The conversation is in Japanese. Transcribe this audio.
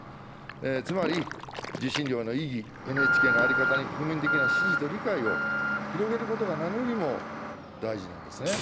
つまり受信料の意義、ＮＨＫの在り方に国民的な支持と理解を広げることが何よりも大事なんですね。